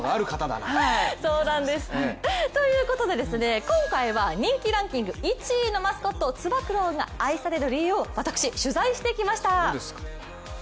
ということで今回は人気ランキング１位のマスコットつば九郎が愛される理由を私、取材してきました。